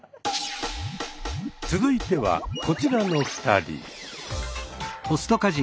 続いてはこちらの２人。